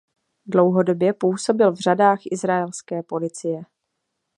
Dlouhodobě působil v řadách Izraelské policie.